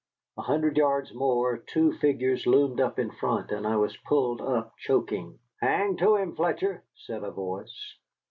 A hundred yards more, two figures loomed up in front, and I was pulled up choking. "Hang to him, Fletcher!" said a voice.